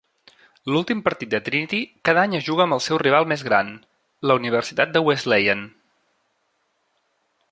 L'últim partit de Trinity cada any es juga amb el seu rival més gran, la Universitat de Wesleyan.